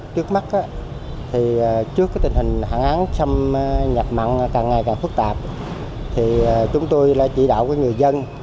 trước mắt thì trước cái tình hình hạn hán xâm nhập mặn càng ngày càng phức tạp thì chúng tôi là chỉ đạo người dân